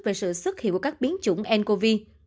về sự xuất hiện của các biến chủng ncov